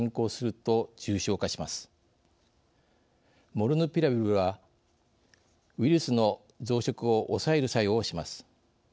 モルヌピラビルはウイルスの増殖を抑える作用をします。